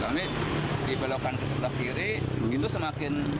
kami dibelokan ke setelah kiri itu semakin